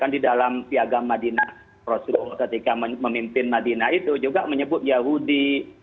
di dalam piagam madinah rasulullah ketika memimpin madinah itu juga menyebut yahudi